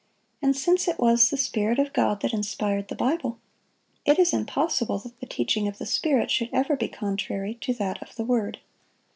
And since it was the Spirit of God that inspired the Bible, it is impossible that the teaching of the Spirit should ever be contrary to that of the Word.